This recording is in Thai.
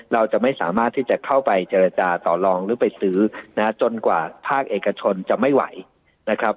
เราจะไม่สามารถที่จะเข้าไปเจรจาต่อลองหรือไปซื้อนะฮะจนกว่าภาคเอกชนจะไม่ไหวนะครับ